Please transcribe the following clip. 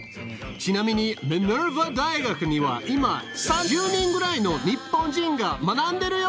ちなみにミネルバ大学には今３０人ぐらいの日本人が学んでるよ！